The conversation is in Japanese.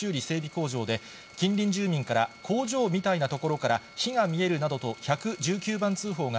工場で、近隣住民から工場みたいな所から火が見えるなどと１１９番通報が